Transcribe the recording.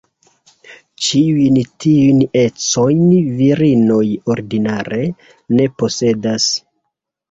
Ĉiujn tiujn ecojn virinoj ordinare ne posedas.